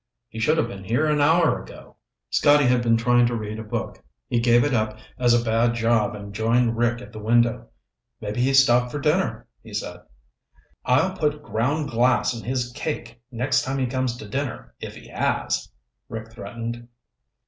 "He should have been here an hour ago." Scotty had been trying to read a book. He gave it up as a bad job and joined Rick at the window. "Maybe he stopped for dinner," he said. "I'll put ground glass in his cake next time he comes to dinner if he has," Rick threatened.